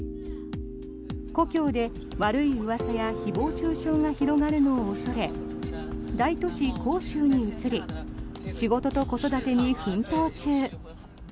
故郷で悪いうわさや誹謗・中傷が広がるのを恐れ大都市、杭州に移り仕事と子育てに奮闘中。